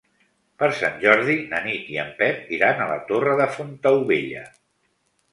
Per Sant Jordi na Nit i en Pep iran a la Torre de Fontaubella.